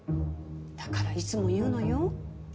だからいつも言うのよ。